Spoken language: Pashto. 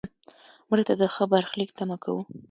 مړه ته د ښه برخلیک تمه کوو